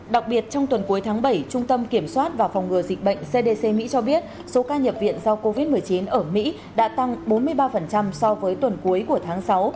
đặc biệt trong tuần cuối tháng bảy trung tâm kiểm soát và phòng ngừa dịch bệnh cdc mỹ cho biết số ca nhập viện do covid một mươi chín ở mỹ đã tăng bốn mươi ba so với tuần cuối của tháng sáu